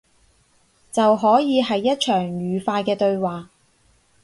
就可以係一場愉快嘅對話